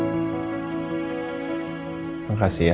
udah jadi orang yang sangat mengerti ya